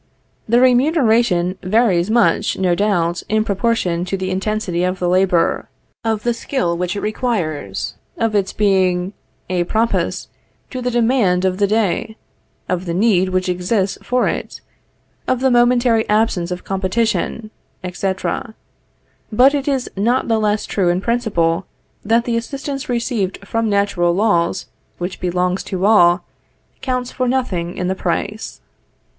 The remuneration varies much, no doubt, in proportion to the intensity of the labor, of the skill which it requires, of its being à propos to the demand of the day, of the need which exists for it, of the momentary absence of competition, etc. But it is not the less true in principle, that the assistance received from natural laws, which belongs to all, counts for nothing in the price.